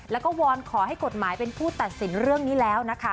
แล้วก็วอนขอให้กฎหมายเป็นผู้ตัดสินเรื่องนี้แล้วนะคะ